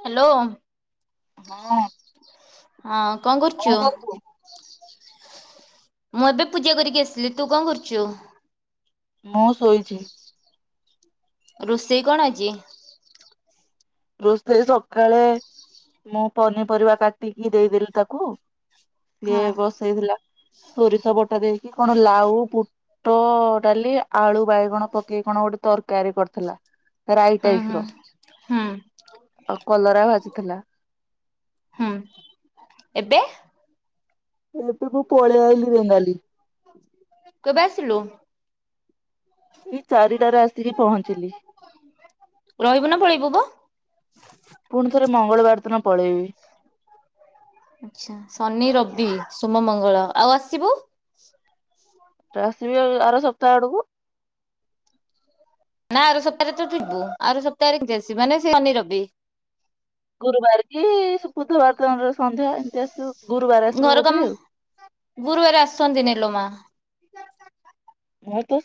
Hello. ହଁ ଅଁ। ହଁ କଣ କରୁଚୁ? କରୁଛୁ? ମୁଁ ଏବେ ପୂଜା କରିକି ଆସିଲି। ତୁ କଣ କରୁଚୁ? ମୁଁ ଶୋଇଛି। ରୋଷେଇ କଣ ଆଜି? ରୋଷେଇ ସକାଳେ ମୁଁ ପନିପରିବା କାଟିକି ଦେଇଦେଲି ତାକୁ। ହଁ ସିଏ ବସେଇଥିଲା ସୋରିଷ ବଟା ଦେଇକି କଣ ଲାଉ ଟ ଡାଲି ଆଳୁ ବାଇଗଣ ପକେଇକି କଣ ଗୋଟେ ତରକାରୀ କରିଥିଲା। ରାଇ ହୁଁ ଟାଇପ ହୁଁ ର ହୁଁ ଆଉ କଲରା ଭାଜିଥିଲା। ହୁଁ ଏବେ? ଏବେ ମୁ ପଳେଇଆଲିି ରେଙ୍ଗାଲି। କେବେ ଆସିଲୁ। ମୁଇଁ ଚାରିଟାରେ ଆସିକି ପହଞ୍ଚିଲି। ରହିବୁ ନା ପଳେଇବୁ ବ? ପୁଣି ଥରେ ମଙ୍ଗଳବାର ଦିନ ପଳେଇବି। ଆଛା, ଶନି ରବି ସୋମ ମଙ୍ଗଳ ଆଉ ଆସିବୁ। ଆସିବି ଆଉ ଆର ସପ୍ତାହ ଆଡକୁ। ନା ଆଉ ସପ୍ତାହରେ ତ ଥିବୁ ଆଉ ସପ୍ତାହରେ କେମିତି ଆସିବ ମାନେ ସେ ଶନି ରବି। ଗୁରୁବାର କି ବୁଧବାର ଦିନର ସନ୍ଧ୍ୟା ଏମିତି ଆସିବୁ ଗୁରୁବାର ଆସିବୁ ବୋଧେ ଆଉ। ଗୁରୁବାରେ ଆସନ୍ତିନି ଲୋ ମା। ହଁ ତ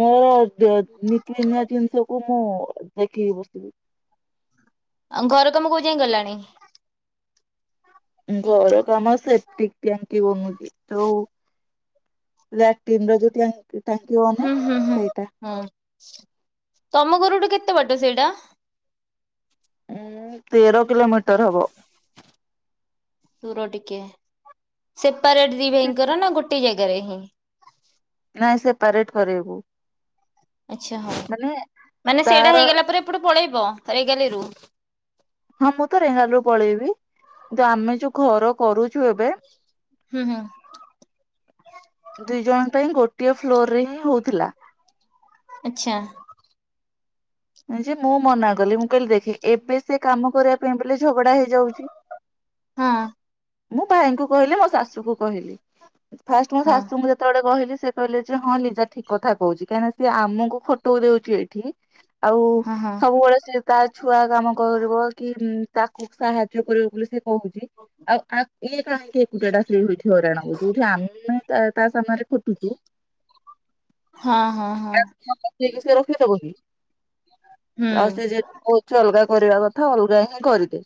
ମୋର ନିକ ନିିଆ ଜିନିଷକୁ ମୁଁ ଦେଖିକି ବସିବି। ଆଉ ଘର କାମ କୋଉ ଯାଇଁ ଗଲାଣି? ଘର କାମ ସେପ୍ଟିକ ଟ୍ୟାଙ୍କି ବନୁଛି ତଉ। ଲାଟିନ ର ଯଉ ଟାଙ୍କ। ସେ ଟାଙ୍କିବ ହୁଁ ହୁଁ ହୁଁ ହଁ ତମ ଘରୁଠୁ କେତେ ବାଟ ସେଇଟା? ଉଁ ତେର କିଲୋମିଟର ହବ। ସେପାରେଟ ଦି ଭାଇଙ୍କର ନା ଗୋ ଟେ ଜାଗାରେ ହିଁ। ନାଇଁ ସେପାରେଟ କରେଇବୁ? ଆଚ୍ଛା ହଁ ମାନେ ସେଇଟା ତାର ହେଇଗଲା ପରେ ଏପଟେ ପଳେଇବ ରେଗାଲି ରୁ। ହଁ ମୁଁ ତ ରେଙ୍ଗାଲରୁୁ ପଳେଇବି କିନ୍ତୁ ଆମେ ଯୋଉ ଘର କରୁଛୁ ଏବେ ହୁଁ ହୁଁ। ଦୁଇ ଜଣଙ୍କ ପାଇଁ ଗୋଟିଏ ଫ୍ଲୋର ରେ ହିଁ ହଉଥିଲା। ଆଛା। ଯେ ମୁଁ ମନା କଲି ମୁଁ କହିଲି ଦେଖି ଏବେ ସେ କାମ କରିବାକୁ ପେ ବୋଲେ ଝଗଡା ହେଇଯାଉଛି। ହଁ ମୁଁ ଭାଇଙ୍କୁ କହିଲି ମୋ ଶାଶୁ କ କହିଲି ଫାଷ୍ଟ ମୋ ହଁ ଶାଶୁଙ୍କୁ ଯେତେବେଳେ ଯେତେବେଳେ କହିଲି ସେ କହିଲେ ଯେ ହଁ ଲିଜା ଠିକ କଥା କହୁଛି କାହିଁକିନା ସି ଆମକୁ ଖଟଉଛି ଏଇଠି ଆଉ ହଁ ହଁ ସବୁବେଳେ ସିଏ ତା ଛୁଆ କାମ କରିବ କି ତାକୁ ସାହାଯ୍ୟ କରିବ ବୋଲି ସେ ହଉଛି ଆଉ ଆଉ ଇଏ କାହିଁକି ଏକୁଟିଆ ଟା ସେଇ ହଉଠି ହଇରାଣ ହଉ ଯୋଉଠି ଆମେ ତା ତା ସାମ୍ନାରେ ଖଟୁଛୁ। ହଁ ହଁ ହଁ। ମତେ ବି ସିଏ ରଖେଇ ଦବ କି? ହୁଁ। ଆଉ ସେ ଯେ କହୁଛି ଅଲଗା କରିବା କଥା ଅଲଗା ହିଁ କରିଦେ।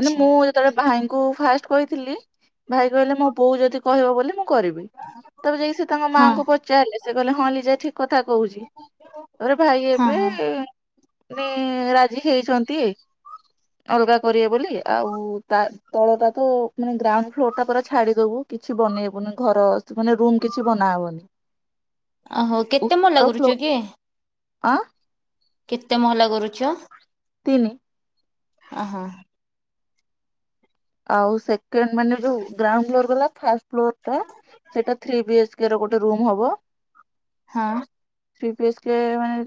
ମାନେ ମୁଁ ଯେତେବେଳେ ଭାଇଙ୍କୁ ଫାଷ୍ଟ କହିଥିଲି ଭାଇ କହିଲେ ମୋ ବୋଉ ଯଦି କହିବ ବୋଲି ମୁଁ କରିବି ତାପରେ ଯାଇ ସେ ତାଙ୍କ ହଁ ମାଆଙ୍କୁ ପଚ ଚାଲେ ସେ କହେ ହଁ ଲିଜା ଠିକ କଥା କହୁଛି। ତା ପରେ ଭାଇ ହଁ ଏବେ ହଁ ରେ ରାଜି ହେଇଛନ୍ତି। ଅଲଗା କରିବେ ବୋଲି ଆଉ ତା ତଳ ଟା ତ ମାନେ ଗ୍ରାଉଣ୍ଡ ଫ୍ଲୋର ଟା ପୁରା ଛାଡି ଦବୁ। କିଛି ବନେଇବୁନି ଘର ମାନେ ରୁମ କିଛି ବନା ହବନି। ଓହୋ କେତେ ମହଲା ଫ୍ଲୋ କରୁଛ କି? ଆଁ କେତେ ମହଲା କରୁଛ? ତିନି। ଆ ହ। ଆଉ ସେକଣ୍ଡ ମାନେ ଯୋଉ ଗ୍ରାଉଣ୍ଡ ଫ୍ଲୋର ଗଲା ଫାଷ୍ଟ ଫ୍ଲୋର ଟା। ସେଇଟା ଥ୍ରୀ ବି ଏଚ କେ ର ଗୋଟେ ରୁମ ହବ। ହଁ। ଥ୍ରି ବି ଏଚ କେ ମାନେ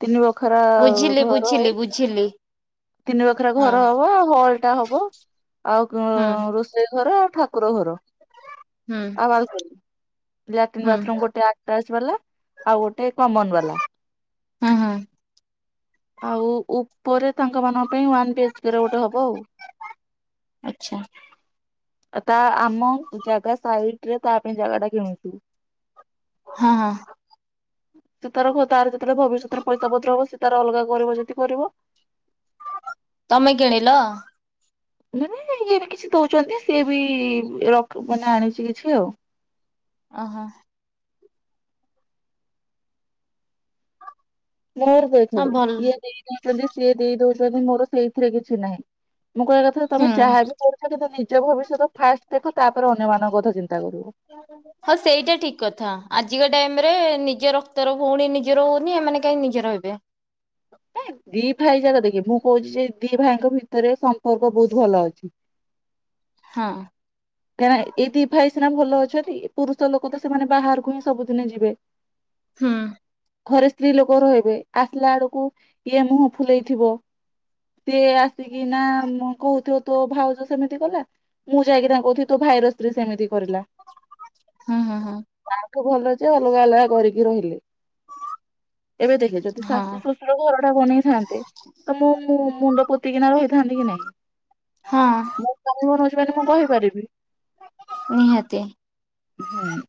ତିନି ବଖରା ଘର ଝିଲି ବୁଝିଲି। ତିନି ବଖରା ହଁ ଘର ହବ ଆଉ ହଲ ଟା ହବ ଆଉ ହୁଁ ଉ ରୋଷେ ସେଇ ଘର ଠାକୁର ଘର ହୁଁ ଆଉ ବାଲକୋନୀ ଲାଟିନ୍ ହୁଁ। ବାଥରୁମ୍ ଗୋଟେ ଆଟା ଟାଜ୍ ବାଲା ଆଉ ଗୋଟେ କମନ ବାଲା। ଓ ହଁ। ଆଉ ଉପରେ ତାଙ୍କ ମାନଙ୍କ ପାଇଁ ୱାନ ବି ଏଚ କେ ର ଗୋଟେ ହବ ଆଉ। ଆଛା। ତା ଆମ ଜାଗା ସାଇଡରେ ତା ପାଇଁ ଜାଗା ଟା କିଣୁଛୁ। ହଁ ହଁ। ସେ ତାର ଘ ତାର ଯେତେବେଳେ ଭବିଷ୍ୟତରେ ପଇସା ପତ୍ର ହବ ସେ ତାର ଅଲଗା କରିବ ଯଦି କରିବ। ତମେ କିଣିଲ? ନି ଇଏ ବି କିଛି ଦଉଛନ୍ତି ସିଏ ବି ର ମାନେ ଆଣିଛି କିଛି ଆଉ। ଓହୋ। ମୋର ଦେଖ ହଁ ଭଲ ଇଏ ଦେଇ ଦଉଛନ୍ତି ସିଏ ଦେଇ ଦଉଛନ୍ତି ମୋର ସେଇଥିରେ କିଛି ନାହିଁ। ମୁଁ କହିବା କଥା ହୁଁ ତମେ ଯହାବି କରୁଛ କିନ୍ତୁ ନିଜ ଭବିଷ୍ୟତ ଫାଷ୍ଟ ଦେଖ ତାପରେ ଅନ୍ୟମାନଙ୍କ କଥା ଚିନ୍ତା କରିବ। [unintelligible] ହଁ ସେଇଟା ଠିକ କଥା ଆଜିକା ଟାଇମ ରେ ନିଜ ରକ୍ତର ଭଉଣୀ ନିଜର ହଉନି, ଏମାନେ କାହିଁ ନିଜର ହେବେ? ନାଇଁ ଦି ଭାଇ ଯାକ ଦେଖେ ମୁଁ କହୁଛି ଯେ ଦି ଭାଇଙ୍କ ଭିତରେ ସମ୍ପର୍କ ବହୁତ ଭଲ ଅଛି। ହଁ। କାହିଁକିନା ଏଇ ଦି ଭାଇ ସିନା ଭଲ ଅଛନ୍ତି ପୁରୁଷ ଲୋକ ତ ସେମାନେ ବାହାରକୁ ହିଁ ସବୁଦିନ ଯିବେ। ହୁଁ। ଘରେ ସ୍ତ୍ରୀ ଲୋକ ରହିବେ। ଆସିଲା ବେଳକୁ ଇଏ ମୁହଁ ଫୁଲେଇଥିବ ସିଏ ଆସିକି ନା କହୁଥିବ ତୋ ଭାଉଜ ସେମିତି କଲା ମୁଁ ଯାଇକି ତାଙ୍କୁ କହୁଥିବି ତୋ ଭାଇର ସ୍ତ୍ରୀ ସେମିତି କରିଲା। ହୁଁ ହୁଁ ହୁଁ ତାଠୁ ଭଲ ଯେ ଅଲଗା ଅଲଗା କରିକି ରହିଲେ। ଏବେ ଦେଖେ ଯଦି ଶାଶୁ ହଁ। ଶଶୁର ଘର ଟା ବନେଇଥାନ୍ତେ ତ ମୁଁ ମୋ ମୁଣ୍ଡ ପୋତିକିନା ରହିଥାନ୍ତି କି ନାଇଁ? ହଁ ମୋ ସ୍ଵାମୀ ବନଉଛି ମାନେ ମୁଁ କହିପାରିବି। ନିହାତି। ହୁଁ।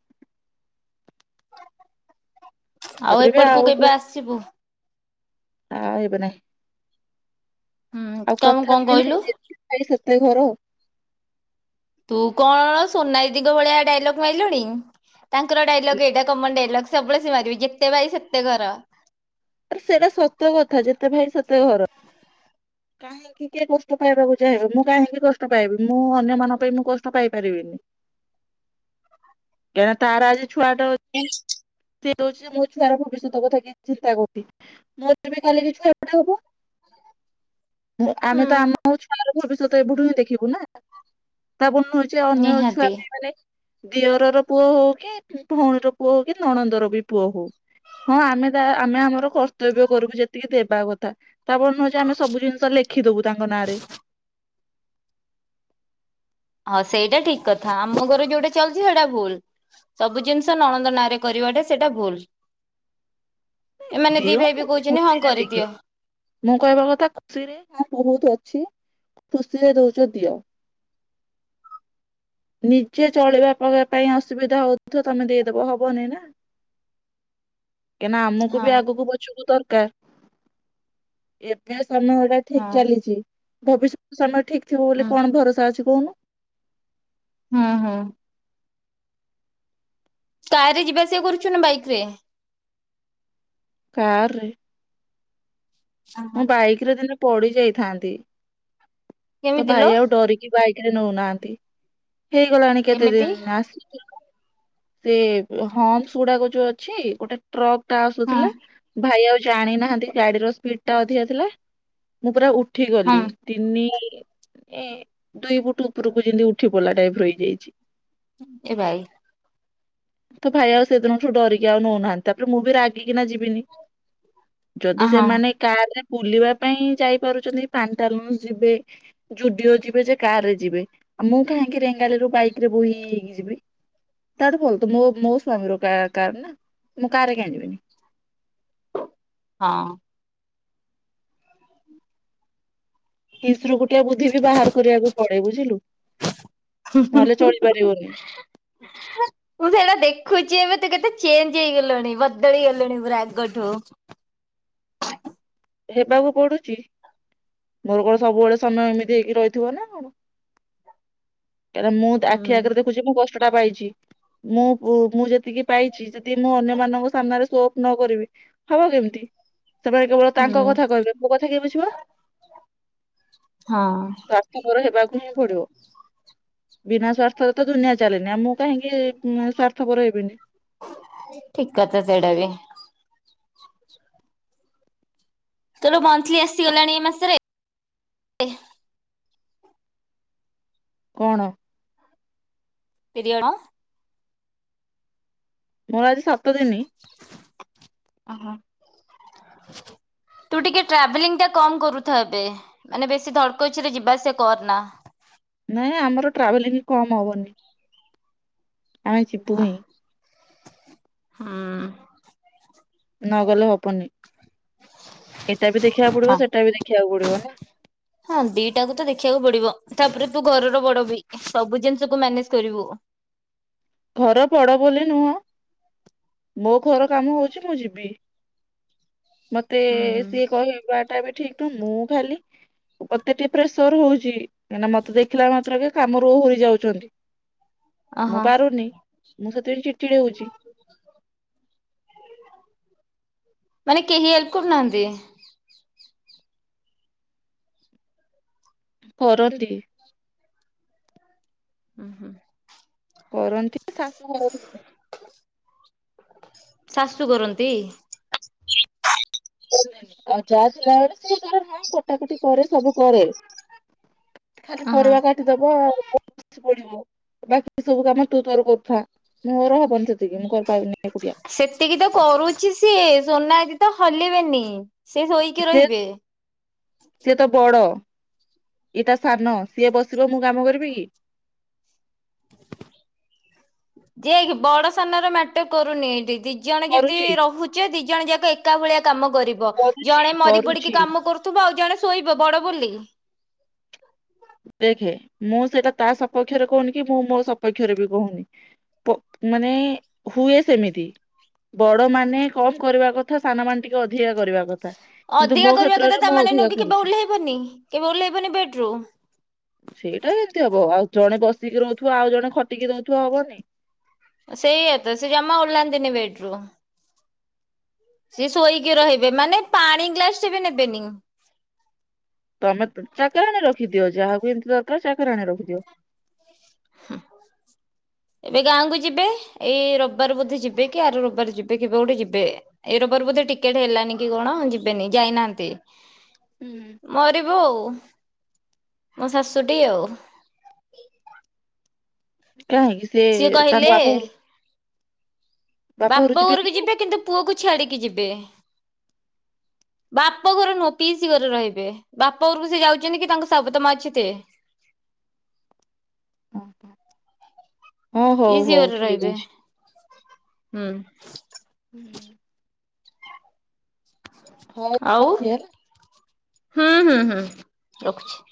ଆଉ ତାପରେ ବି ଏପଟକୁ କୋଉ କେବେ ଆସିବୁ? ଆଉ ଯିବି ନାହିଁ। ହୁଁ ଆଉ କଣ କଥା କଣ ରେ ବି କହିଲୁ ନାଇଁ ଯେତେ ଭାଇ ସେତେ ଘର। ତୁ କଣ ସୋନ ଦିଦିଙ୍କ ଭଳିଆ ଡାଇଲଗ୍ ମାରିଲୁଣି ତାଙ୍କର ଡାଇଲଗ୍ ଏଇଟା କମନ ଡାଇଲଗ୍। ସବୁବେଳେ ସିଏ ମାରିବେ, ଯେତେ ଭାଇ ସେତେ ଘର। ଆରେ ସେଇଟା ସତ କଥା ଯେତେ ଭାଇ ସେତେ ଘର। କାହିଁକି କିଏ କଷ୍ଟ ପାଇବାକୁ ଚାହିଁବ ମୁଁ କାହିଁକି କଷ୍ଟ ପାଇବି ମୁଁ ଅନ୍ୟମାନଙ୍କ ପାଇଁ ମୁଁ କଷ୍ଟ ପାଇ ପାରିବିନି। [inaudible] କାହିଁକିନା ତାର ଆଜି ଛୁଆଟେ ଅଛି ସେ କହୁଛି ହେ ମୋ ଛୁଆର ଭବିଷ୍ୟତ କଥା କିଛି ଚିନ୍ତା କରୁ ମୋ [unintelligible] କାଲି କି ଛୁଆପଟେ ହବ ଆମେ ତ ଆମ ଛୁଆମାନଙ୍କର ଭବିଷ୍ୟତ ଏବେଠୁ ହିଁ ଦେଖିବୁ ନା, ତା ବୋଲି ନୁହେଁ ସେ ଅନ୍ୟ ନିହାତି ଛୁଆ [unintelligible] ଦିଅରର ପୁଅ ହଉ କି ଭଉଣୀର ପୁଅ ହଉ କି ନଣନ୍ଦର ବି ପୁଅ ହଉ ହଁ ଆମେ ତା ଆମେ ଆମର କର୍ତ୍ତବ୍ୟ କରିବୁ ଯେତିକି ଦେବା କଥା ତାପରେ ନୁହଁ ଯେ ଆମେ ସବୁ ଜିନିଷ ଲେଖିଦବୁ ତାଙ୍କ ନାଁରେ। ହଁ ସେଇଟା ଠିକ କଥା ଆମ ଘରେ ଯୋଉଟା ଚାଲିଛି ସେଇଟା ଭୁଲ। ସବୁ ଜିନିଷ ନଣନ୍ଦ ନାଁରେ କରିବାଟା ସେଇଟା ଭୁଲ। ଏମାନେ ଦି ଭାଇ ଦିଅନ୍ତୁ ବି କହୁଛନ୍ତି ହଁ ଖୁସିରେ ଦେଖେ କରିଦିଅ। ମୁଁ କହିବା କଥା ଖୁସିରେ ହଁ ବହୁତ ଅଛି ଖୁସିରେ ଦଉଛ ଦିଅ। ନିଜେ ଚଳିବା ପାଇଁ ଅସୁବିଧା ହଉଥିବ ତମେ ଦେଇଦବ ହବନି ନା। [inaudible] କାହିଁକିନା ଆମକୁ ହଁ ବି ଆଗକୁ ବଛିବାକୁ ଦରକାର। ଏବେ ସମୟଟା ହଁ ଠିକ ଚାଲିଛି ଭବିଷ୍ୟତ ସମୟ ଠିକ ଥିବ ବୋଲି ହୁଁ କଣ ଭରସା ଅଛି କହୁନ। ହୁଁ ହୁଁ। କାରରେ ଯିବା ଆସିବା କରୁଛୁ ନା ବାଇକରେ? କାରରେ। ମୁଁ ବାଇକରେ ଦିନେ ପଡ଼ି ଯାଇଥାନ୍ତି। ତୋ କେମିତି ଭାଇ ଲୋ ଆଉ ଡରିକି ବାଇକରେ ନେଉନାହାନ୍ତି। ହେଇଗଲାଣି କେତେ କେମିତି ଦିନ ଆସିକି ସେ ହମ୍ପସ ଗୁଡ଼ାକ ଯୋଉ ଅଛି, ଗୋଟେ ଟ୍ରକ୍ ହଁ ଆସୁଥିଲା ଭାଇ ଆଉ ଜାଣିନାହାନ୍ତି ଗାଡ଼ିର ସ୍ପିଡଟା ଅଧିକ ଥିଲା। ମୁଁ ପୁରା ଉଠି ହଁ ଗଲି ତିନି ଏ ଦୁଇ ଫୁଟ ଉପରକୁ ଯେମିତି ଉଠି ପଡିଲା ଟାଇପର ହେଇଯାଇଛି। ଏ ଭାଇ। ତୋ ଭାଇ ଆଉ ସେଦିନଠୁ ଡରିକି ଆଉ ନଉନାହାନ୍ତି ତାପରେ ମୁଁ ବି ରାଗିକିନା ଯିବିନି। ଯଦି ହଁ ସେମାନେ କାରରେ ବୁଲିବା ପାଇଁ ଯାଇପାରୁଛନ୍ତି ପାଣ୍ଟାଲୁନ ଯିବେ ଯୁଡିଓ ଯିବେ ଯେ କାରରେ ଯିବେ। ଆଉ ମୁଁ କାହିଁକି ରେଙ୍ଗାଲିରୁ ବାଇକିରେ ବୋହି ହେଇକି ଯିବି ତାଠୁ ଭୋଉନ୍ତୁ ମୋ ମୋ ସ୍ଵାମୀର କାର କାରନା ମୁଁ କାରରେ କାଇଁ ଯିବିନି। ହଁ। ହିଂସ୍ରୁ ଗୁଟିଏ ବୁଦ୍ଧି ବି ବାହାର କରିବାକୁ ପଡେ ବୁଝିଲୁ। [inaudible] ମୁଁ ନହେଲେ ଚଳିପାରିବନି ସେଇରା ଦେଖୁଚି ଏବେ ତୁ କେତେ ଚେଞ୍ଜ ହେଇଗଲୁଣି ବଦଳି ଗଲୁଣି ପୁରା ଆଗଠୁ। ହେବାକୁ ପୋଡୁଚି ମୋର କଣ ସବୁବେଳେ ସମୟ ଏମିତି ହେଇକି ରହିଥିବ ନା ଙ୍କ [inaudible] କାହିଁକି ନା ମୁଁ ହୁଁ ଆଖି ଆଗରେ ଦେଖୁଛି ମୁଁ କଷ୍ଟଟା ପାଇଚି। ମୁଁ ମୁଁ ଯେତିକି ପାଇଚି ଯଦି ମୁଁ ଅନ୍ୟମାନଙ୍କ ସାମ୍ନାରେ ସୋଅପ ନ କରିବି ହବ କେମତି ସେମାନେ କେବଳ ହୁଁ ତାଙ୍କ କଥା କହିବେ ମୋ କଥା କିଏ ବୁଝିବ ହଁ। ସ୍ୱାର୍ଥପର ହେବାକୁ ହିଁ ପଡିବ। ବିନା ସ୍ଵାର୍ଥରେ ତ ଦୁନିଆ ଚାଲେନି ଆଉ ମୁଁ କାହିଁକି ଉଁ ସ୍ଵାର୍ଥପର ହେବିନି। ଠିକ କଥା ସେଇଟା ବି। ତର ମନ୍ଥଲି ଆସିଗଲାଣି ଏଇ ମାସରେ ଏ କଣ? ପିରିଅଡ ମୋର ଆଜି ସାତ ଦିନ। ଅହ। ତୁ ଟିକେ ଟ୍ରାଭେଲିଂ ଟା କମ୍ କରୁଥା ଏବେ ମାନେ ବେଶୀ ଧଡ଼କଚରେ ଯିବା ଆସିବା କରନା। ନାଇଁ ଆମର ଟ୍ରାଭେଲିଂ କମ ହବନି ଆମେ ଯିବୁ ହଁ ହିଁ। ହୁଁ। ନ ଗଲେ ହବନି ଏଇଟା ବି ଦେଖିବାକୁ ପଡିବ ହଁ। ସେଟା ବି ଦେଖିବାକୁ ପଡିବ ନା। ହଁ ଦିଟାକୁ ତ ଦେଖିବାକୁ ପଡିବ ତାପରେ ତୁ ଘରର ବଡ ବି ସବୁ ଜିନିଷକୁୁ ମ୍ୟାନେଜ କରିବୁ। ଘର ବଡ ବୋଲି ନୁହଁ ମୋ ଘର କାମ ହଉଚି ମୁଁ ଯିବି। ମତେ ହୁଁ ହୁଁ। ସିଏ କହିବାଟା ବି ଠିକ। ମୁଁ ଖାଲି ମୋତେ ଟିକେ ପ୍ରେସର ହଉଚି କାହିଁକିନା ମତେ ଦେଖିଲା ମାତ୍ରକେ କାମରୁ ଓହୁରି ଯାଉଚନ୍ତି। ଓହୋ ପାରୁନି ମୁଁ ସେଥିପାଇଁ ଚିଡ ଚିଡ ହଉଚି। ମାନେ କେହି ହେଲ୍ପ କରୁନାହାନ୍ତି କରନ୍ତି। ଉଁ ହୁଁ। କରନ୍ତି ନା ଶାଶୁ [unintelligible] ଶାଶୁ କରନ୍ତି ଆଉ ଯା ଥିଲାବେଳେ ସେ ତାର ହଁ କଟା କଟି କରେ ସବୁ କରେ। ଖାଲି ଓହୋ। ପରିବା କାଟିଦବ ଆଉ [unintelligible] ପଡିବ। ବାକି ସବୁ କାମ ତୁ ତୋର କରୁଥା ମୋର ହବନି ସେତିକି ମୁଁ କରପାରିବିନି। ସେତିକି ତ କରୁଚି ସିଏ ସୋନା ଦିଦି ତ ହଲିବେନି। ସେ ଶୋଇକି ସେ ରହିବେ। ସିଏ ତ ବଡ ଇଟା ସାନ ସିଏ ବସିବ ମୁଁ କାମ କରିବି କି ଯିଏକି ବଡ ସାନ ର ମ୍ୟାଟର କରୁନି ଏଇଟି। ଜଣେ ଯଦି କରୁଛି ରହୁଚି ଦି ଜଣ ଯାକ ଏକା ଭଳିଆ କାମ କରିବ କରୁଛି ଜଣେ ମରି ପଡିକି କରୁଛି କାମ କରୁ ଥୁବ ଆଉ ଜଣେ ଶୋଇବ ବଡ ବୋଲି ଦେଖେ ମୁଁ ସେଇଟା ତା ସପକ୍ଷରେ କହୁନି କି ମୁଁ ମୋ ସପକ୍ଷରେ ବି କହୁନି। ପ ମାନେ ହୁଏ ସେମିତି। ବଡ ମାନେ କମ କରିବା କଥା ସାନ ମାନ ଟିକେ ଅଧିକା କରିବା। କିନ୍ତୁ ମୋ କ୍ଷେତ୍ରରେ ମୁଁ ଅଧିକା କରୁଛି। ି କେବେ ଓ୍ଲେଇବନି ବେଡ ରୁମ୍ ସେଇଟା ଏମତି ହବ ଆଉ ଜଣେ ବସିକି ରହୁଥିବା ଆଉ ଜଣେ ଖଟିକି ରଉଥିବା ହବନି ସେଇଆ ତ ସେ ଜମା ଓହ୍ଲାନ୍ତିନି ବେଟରୁ ସି ଶୋଇକି ରହିବେ ମାନେ ପାଣି ଗ୍ଲାସ ଟବେ ନେବେନି। ତମେ ଚାକରରାଣଣି ରଖିଦିଅ ଯାହାକୁ ଏମିତି ଦରକାର ଚାକରହାଣଣି ରଖିଦିଅ। ହଁ। ଏବେ ଗାଁ କ ଯିବେ ଏଇ ରବିବାର ବୋଧେ ଯିବେ କି ଆରୁ ରବିବାର ଯିବେ କିବେ ଗୋଟେ ଯିବେ। ଏ ରବର ବୋଧେ ଟିକେଟ ହେଲାନି କି କଣ ଯିବେନି ଯାଇନାହାନ୍ତି। ହୁଁ। ମରିବୁ ଆଉ ମୋ ଶାଶୁଟି ଆଉ କାହିଁକି ସେ ସିଏ ତାଙ୍କ କହିଲେ ବାପ ଘର ବାପା ଯିବେନି ଘରକୁ କି? ଯିବେ କିନ୍ତୁ ପୁଅ କ ଛାଡିକି ଯିବେ। ବାପା ଘର ନୁହଁ ପିଇସି ଘରେ ରହିବେ ବାପ ଘରକୁ ସେ ଯାଉଛନ୍ତି କି ତାଙ୍କ ସାାବୁତା ମା ଅଛି ସେ ହଁ ହଉ ପିଇସି ହଉ ଘରେ ଠିକ ରହିବେ। ଅଛି। ହୁଁ। ହୁଁ। ହଉ ଆଉ ରଖେ ହେଲା। ହୁଁ ହୁଁ ହୁଁ ରଖୁଛି।